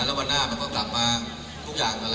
แล้ววันหน้ามันก็กลับมาทุกอย่าง